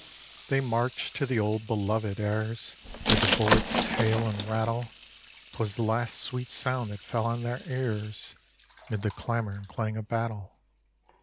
They marched to the old belovèd airs 'Mid the bullets' hail and rattle; 'Twas the last sweet sound that fell on their ears 'Mid the clamor and clang of battle.